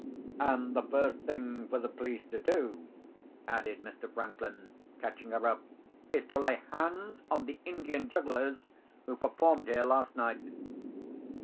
"And the first thing for the police to do," added Mr. Franklin, catching her up, "is to lay hands on the Indian jugglers who performed here last night."